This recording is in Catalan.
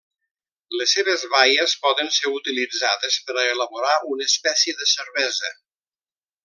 Les seves baies poden ser utilitzades per a elaborar una espècie de cervesa.